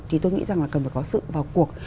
thì tôi nghĩ rằng là cần phải có sự vào cuộc